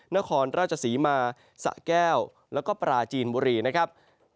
นครราชศรีมาสะแก้วแล้วก็ปราจีนบุรีนะครับ